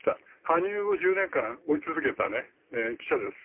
羽生を１０年間追い続けた記者です。